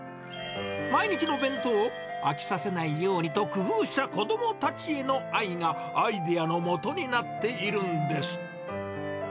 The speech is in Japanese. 毎日の弁当を飽きさせないようにと、工夫した子どもたちへの愛が、アイデアのもとになっているんです。